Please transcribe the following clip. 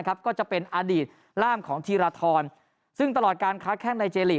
ก็จะเป็นอดีตร่ามของธีรทรซึ่งตลอดการค้าแข้งในเจลีก